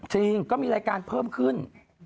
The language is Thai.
จริงก็มีรายการเพิ่มขึ้น